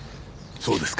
そうですか。